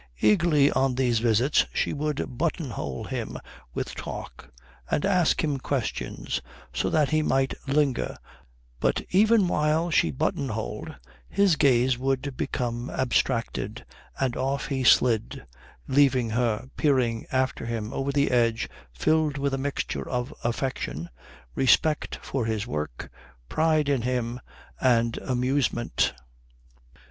Eagerly on these visits she would buttonhole him with talk and ask him questions so that he might linger, but even while she button holed his gaze would become abstracted and off he slid, leaving her peering after him over the edge filled with a mixture of affection, respect for his work, pride in him, and amusement.